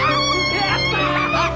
やった！